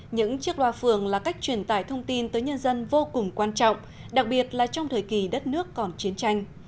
những chiếc loa phường là cách truyền tải thông tin tới nhân dân vô cùng quan trọng đặc biệt là trong thời kỳ đất nước còn chiến tranh